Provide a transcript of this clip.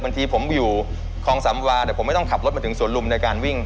บางทีผมอยู่คลองสำวาเนี่ยผมไม่ต้องขับรถมาถึงสวนลุมในการวิ่ง